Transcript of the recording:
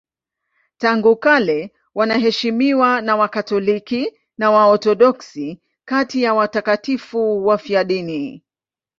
Tangu kale wanaheshimiwa na Wakatoliki na Waorthodoksi kati ya watakatifu wafiadini.